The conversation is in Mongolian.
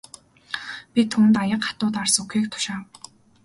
Би түүнд аяга хатуу дарс өгөхийг тушаав.